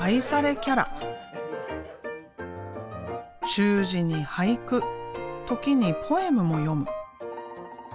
習字に俳句時にポエムも詠む。